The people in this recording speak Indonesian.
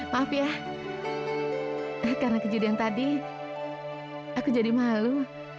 maaf ya karena kejadian tadi aku jadi malu